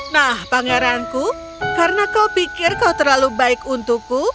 nah pangeranku karena kau pikir kau terlalu baik untukku